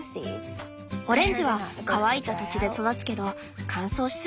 オレンジは乾いた土地で育つけど乾燥しすぎても駄目。